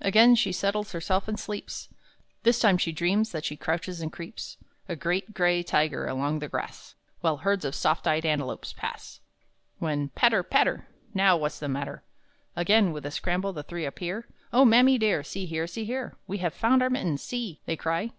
Again she settles herself and sleeps; This time she dreams that she crouches and creeps, A great gray tiger along the grass, While herds of soft eyed antelopes pass, When patter, patter! "Now what's the matter?" Again, with a scramble, the three appear; "Oh mammy dear, see here, see here, We have found our mittens see!" they cry.